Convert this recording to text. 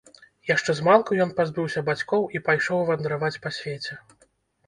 Яшчэ змалку ён пазбыўся бацькоў і пайшоў вандраваць па свеце.